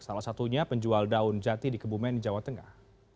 salah satunya penjual daun jati di kebumen jawa tengah